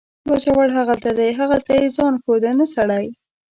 باجوړ هغلته دی، هغلته یې ځای ښوده، نه سړی.